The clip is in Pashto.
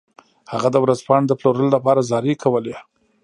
هغه د ورځپاڼو د پلورلو لپاره زارۍ کولې.